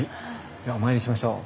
ではお参りしましょう。